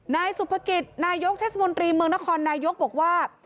นายสุภกิจนายกเทศมนตรีเมืองนครนายกบอกว่า